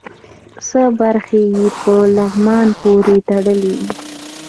څه برخې یې په لغمان پورې تړلې وې.